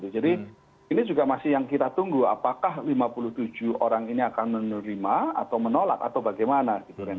jadi ini juga masih yang kita tunggu apakah lima puluh tujuh orang ini akan menerima atau menolak atau bagaimana